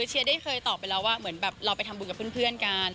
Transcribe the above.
เชียร์ได้เคยตอบไปแล้วว่าเหมือนแบบเราไปทำบุญกับเพื่อนกัน